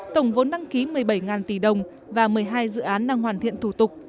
tổng vốn đăng ký một mươi bảy tỷ đồng và một mươi hai dự án đang hoàn thiện thủ tục